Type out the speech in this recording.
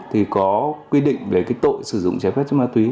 thì có quy định về cái tội sử dụng trái phép chất ma túy